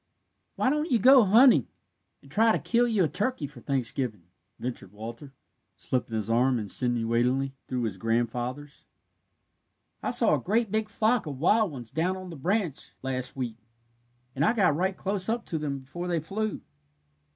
"Why don't you go hunting, and try to kill you a turkey for Thanksgiving?" ventured Walter, slipping his arm insinuatingly through his grandfather's. "I saw a great big flock of wild ones down on the branch last week, and I got right close up to them before they flew."